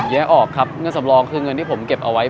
แยกออกครับเงินสำรองคือเงินที่ผมเก็บเอาไว้